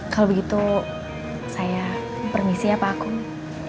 kalau begitu saya permisi ya pak akung